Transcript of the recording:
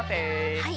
はい。